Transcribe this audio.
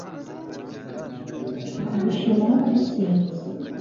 kugushima no kugusingiza